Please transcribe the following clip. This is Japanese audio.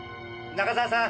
中沢さん。